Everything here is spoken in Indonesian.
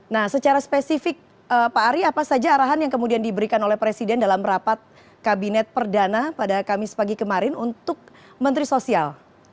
nah secara spesifik pak ari apa saja arahan yang kemudian diberikan oleh presiden dalam rapat kabinet perdana pada kamis pagi kemarin untuk menteri sosial